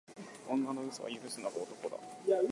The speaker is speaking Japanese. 女の嘘は許すのが男だ